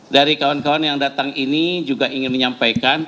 dari kawan kawan yang datang ini juga ingin menyampaikan